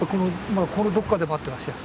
このどっかで待ってましたよ。